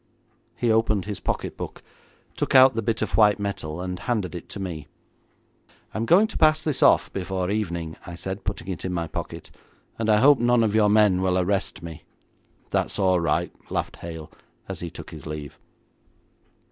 He opened his pocket book, took out the bit of white metal, and handed it to me. 'I'm going to pass this off before evening,' I said, putting it in my pocket, 'and I hope none of your men will arrest me.' 'That's all right,' laughed Hale as he took his leave.